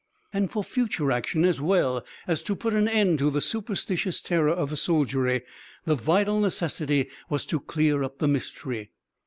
And for future action as well as to put an end to the superstitious terror of the soldiery, the vital necessity was to clear up the mystery.